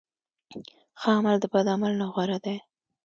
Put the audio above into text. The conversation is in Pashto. ښه عمل د بد عمل نه غوره دی.